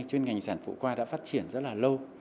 chuyên ngành sản phụ qua đã phát triển rất là lâu